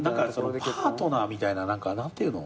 パートナーみたいな何ていうの？